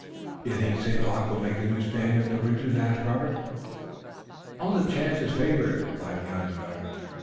"Do you think St. Luc will make a new stand at the ridges?" asked Robert. "All the chances favor it," replied the Onondaga.